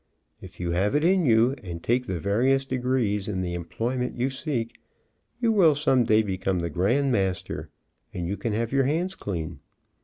If you have it in you, and take the various degrees in the employment you seek, you will some day become the grand master, and you can have your hands clean.